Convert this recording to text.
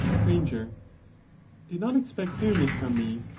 Str. Do not exp)ect clearness from me.